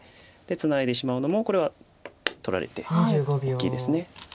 ツナいでしまうのもこれは取られて大きいです。